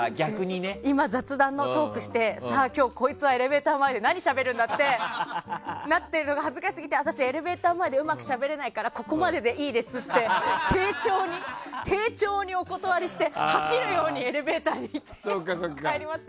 今、雑談のトークしてさあ、今日こいつはエレベーター前で何をしゃべるんだってなるのが恥ずかしくて私、エレベーター前でうまくしゃべれないからここまででいいですって丁重に丁重にお断りして走るようにエレベーターで帰りました。